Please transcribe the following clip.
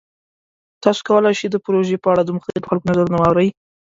تاسو کولی شئ د پروژې په اړه د مختلفو خلکو نظرونه واورئ.